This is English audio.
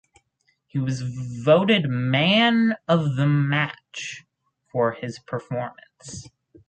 He was voted man of the match for his performance.